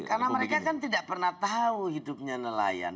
karena mereka kan tidak pernah tahu hidupnya nelayan